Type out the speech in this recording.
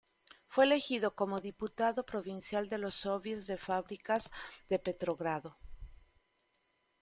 Fue elegido como diputado provincial de los soviets de fábricas de Petrogrado.